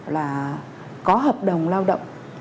là có hợp đồng lao động